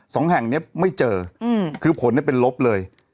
สองแห่งเนี้ยไม่เจออืมคือผลเนี่ยเป็นลบเลย